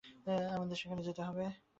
আমাদের সেখানে যেতে হবে।